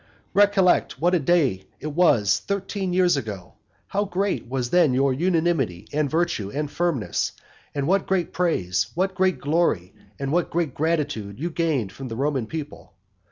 Recollect what a day it was thirteen days ago, how great was then your unanimity, and virtue, and firmness, and what great praise, what great glory, and what great gratitude you gained from the Roman people.